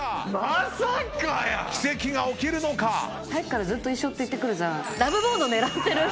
奇跡が起きるのか⁉さっきからずっと一緒って言ってくるじゃん。